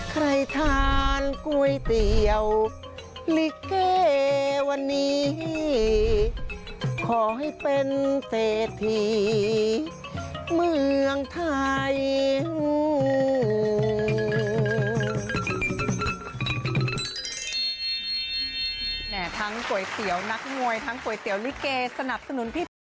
แหม่ทั้งก๋วยเตี๋ยวนักงวยทั้งก๋วยเตี๋ยวลิเกย์สนับสนุนพี่พี่